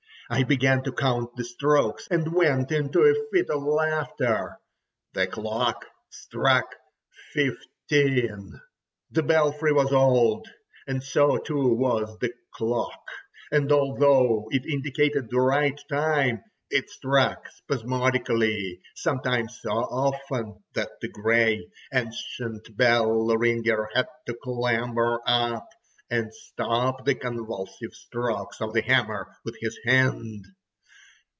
I began to count the strokes, and went into a fit of laughter. The clock struck 15! The belfry was old, and so, too, was the clock, and although it indicated the right time, it struck spasmodically, sometimes so often that the grey, ancient bell ringer had to clamber up and stop the convulsive strokes of the hammer with his hand.